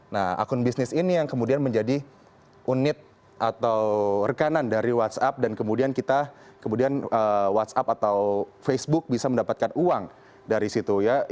nah akun bisnis ini yang kemudian menjadi unit atau rekanan dari whatsapp dan kemudian kita kemudian whatsapp atau facebook bisa mendapatkan uang dari situ ya